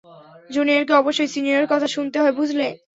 জুনিয়রকে অবশ্যই সিনিয়রের কথা শুনতে হয়, বুঝলে?